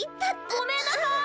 ・ごめんなさい！